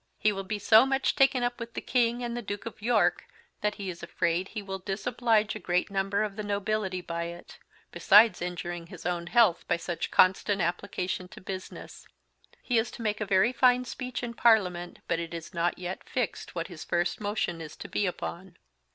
He will be so much taken up with the King and the Duke of York, that he is afraid he will Disoblige a great Number of the Nobility by it, besides injuring his own health by such Constant application to business. He is to make a very fine Speech in Parliament, but it is not yet Fixed what his First Motion is to be upon.